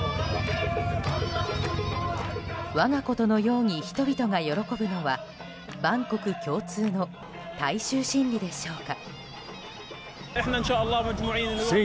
我が事のように人々が喜ぶのは万国共通の大衆心理でしょうか。